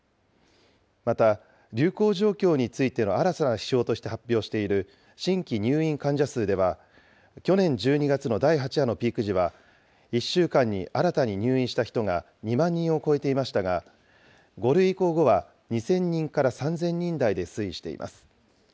また、流行状況についての新たな指標として発表している新規入院患者数では、去年１２月の第８波のピーク時は１週間に新たに入院した人が２万人を超えていましたが、５類移行後は２０００人から３０００人台で推移しています。